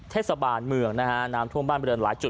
เทศบาลเมืองนะฮะน้ำท่วมบ้านบริเวณหลายจุด